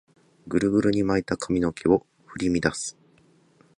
グルグルに巻いた髪の毛を振り乱す